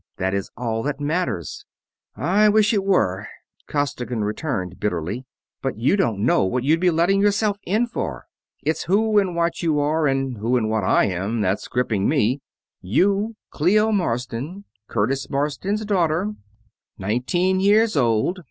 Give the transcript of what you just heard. That is all that matters." "I wish it were," Costigan returned bitterly, "but you don't know what you'd be letting yourself in for. It's who and what you are and who and what I am that's griping me. You, Clio Marsden, Curtis Marsden's daughter. Nineteen years old.